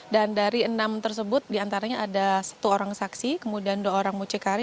dan dari enam tersebut diantaranya ada satu orang saksi kemudian dua orang mucikari